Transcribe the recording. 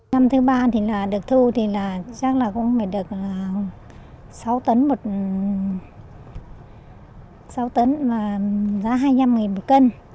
năm thứ ba thì là được thu thì là chắc là cũng phải được sáu tấn và giá hai mươi năm nghìn một cân